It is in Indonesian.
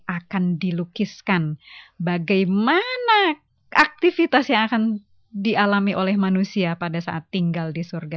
akan dilukiskan bagaimana aktivitas yang akan dialami oleh manusia pada saat tinggal di surga